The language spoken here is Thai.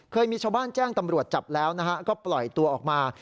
เคยมีชาวบ้านแจ้งตำรวจจับแล้วนะฮะก็ปล่อยตัวออกมา